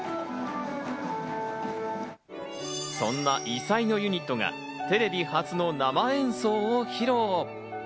そんな異彩のユニットがテレビ初の生演奏を披露。